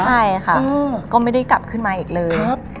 ใช่ค่ะก็ไม่ได้กลับขึ้นมาอีกเลย